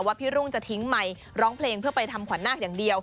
พี่รุ่งจะทิ้งไมค์ร้องเพลงเพื่อไปทำขวัญนาคอย่างเดียว